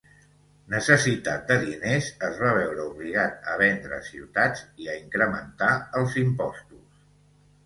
Necessitat de diners es va veure obligat a vendre ciutats i a incrementar els impostos.